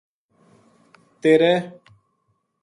تیرے